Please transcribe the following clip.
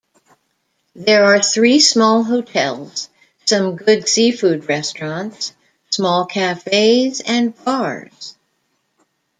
There are three small hotels, some good seafood restaurants, small cafes and bars.